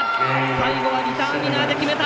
最後はリターンウィナーで決めた！